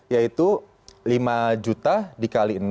yaitu lima juta dikali enam